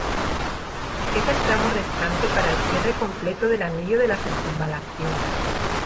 Es el tramo restante para el cierre completo del anillo de circunvalación.